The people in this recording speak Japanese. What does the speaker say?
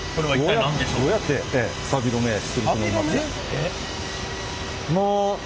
えっ？